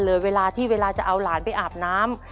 เวลาที่เวลาจะเอาหลานไปอาบน้ำ